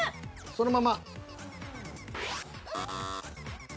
そのまま。